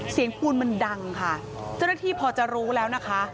ปูนมันดังค่ะเจ้าหน้าที่พอจะรู้แล้วนะคะ